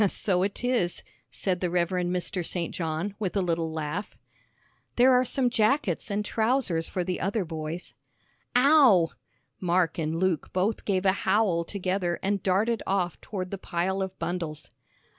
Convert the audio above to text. "So 'tis," said the Rev. Mr. St. John, with a little laugh. "'There are some jackets and trousers for the other boys.'" "Ow!" Mark and Luke both gave a howl together and darted off toward the pile of bundles.